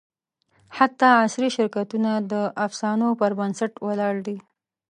حتی عصري شرکتونه د افسانو پر بنسټ ولاړ دي.